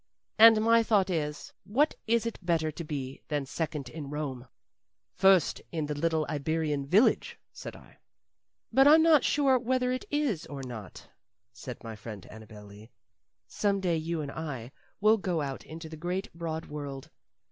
And my thought is, what is it better to be than second in Rome?" "First in a little Iberian village," said I. "But I'm not sure whether it is or not," said my friend Annabel Lee. "Some day you and I will go out into the great, broad world.